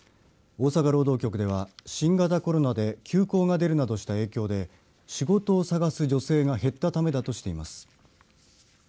大阪労働局では、新型コロナで休校が出るなどした影響で仕事を探す女性が減ったためだとしています。